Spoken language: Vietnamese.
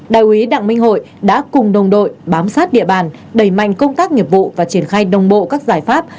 đại úy đặng minh hội đã cùng đồng đội bám sát địa bàn đẩy mạnh công tác nghiệp vụ và triển khai đồng bộ các giải pháp